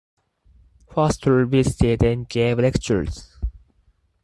Foster visited and gave lectures.